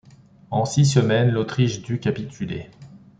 En six semaines, l'Autriche dut capituler.